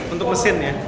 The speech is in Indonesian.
untuk mesin ya